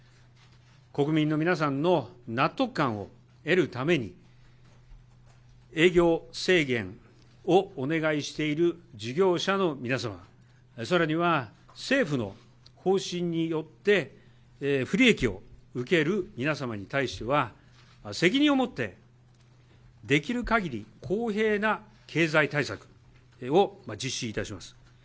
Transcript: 国民の皆さんの納得感を得るために、営業制限をお願いしている事業者の皆様、さらには、政府の方針によって不利益を受ける皆様に対しては、責任を持ってできるかぎり公平な経済対策を実施いたします。